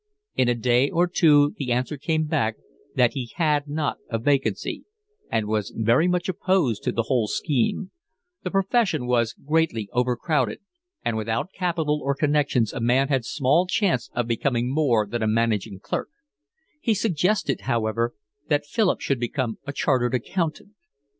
In a day or two the answer came back that he had not a vacancy, and was very much opposed to the whole scheme; the profession was greatly overcrowded, and without capital or connections a man had small chance of becoming more than a managing clerk; he suggested, however, that Philip should become a chartered accountant.